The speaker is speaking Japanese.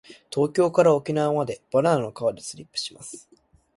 東京から沖縄までバナナの皮でスリップします。